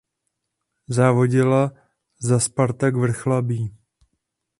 Závodila za Spartak Vrchlabí.